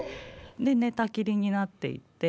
で寝たきりになっていって。